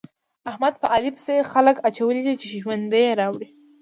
احمد په علي پسې خلګ اچولي دي چې ژوند يې راوړي.